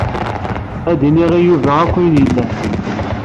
Ad iniɣ i Yuba akk ayen yellan.